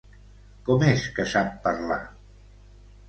Com és que sap parlar?